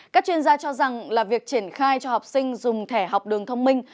các chuyên gia cho rằng là việc triển khai cho học sinh dùng thẻ học đường thông minh